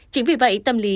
chính vì vậy tâm lý